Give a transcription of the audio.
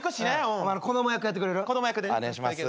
お願いします。